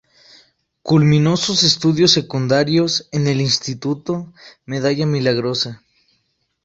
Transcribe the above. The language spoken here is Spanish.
Culminó sus estudios secundarios en el Instituto Medalla Milagrosa.